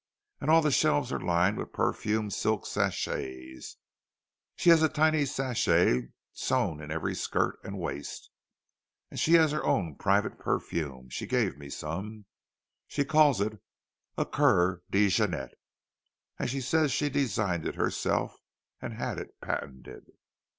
And all the shelves are lined with perfumed silk sachets, and she has tiny sachets sewed in every skirt and waist; and she has her own private perfume—she gave me some. She calls it Cœur de Jeannette, and she says she designed it herself, and had it patented!"